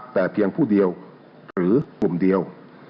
แต่เพียงผู้เดียวหรือกลุ่มเดียว